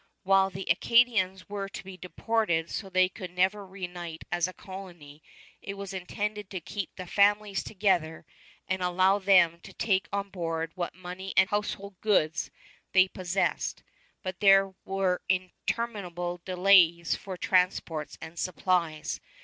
While the Acadians were to be deported so they could never reunite as a colony, it was intended to keep the families together and allow them to take on board what money and household goods they possessed; but there were interminable delays for transports and supplies.